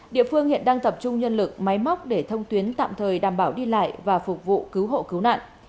địa phương hiện đang tập trung nhân lực máy móc để thông tuyến tạm thời đảm bảo đi lại và phục vụ cứu hộ cứu nạn